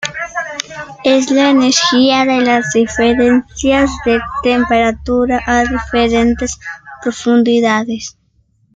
Es la energía de las diferencias de temperatura a diferentes profundidades.